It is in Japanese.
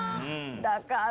だから。